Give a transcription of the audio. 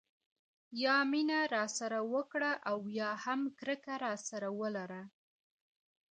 یا مینه راسره وکړه او یا هم کرکه راسره ولره.